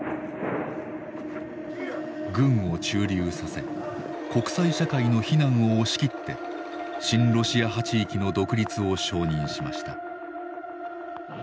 軍を駐留させ国際社会の非難を押し切って親ロシア派地域の独立を承認しました。